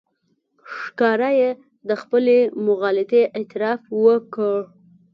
ښکاره یې د خپلې مغالطې اعتراف وکړ.